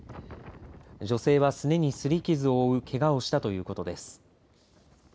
女性はすねにすり傷を負うけがをしたということです。